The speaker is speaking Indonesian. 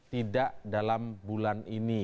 tidak dalam bulan ini